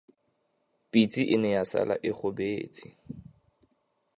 Pitse e ne ya sala e gobetse.